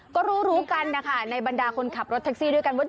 ก็รู้รู้กันนะคะในบรรดาคนขับรถแท็กซี่ด้วยกันว่า